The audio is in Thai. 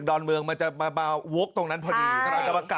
ตำรวจอยู่กันเยอะ